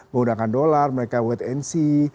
menggunakan dolar mereka wait and see